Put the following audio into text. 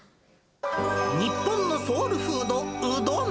日本のソウルフード、うどん。